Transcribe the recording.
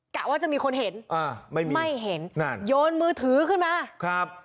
กะว่าจะมีคนเห็นอ่าไม่มีไม่เห็นนั่นโยนมือถือขึ้นมาครับ